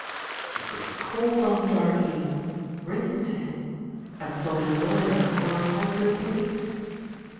He could have called on Jardine, written to him, employed a lawyer or applied to the police.